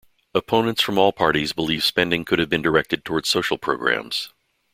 Opponents from all parties believe spending could have been directed toward social problems.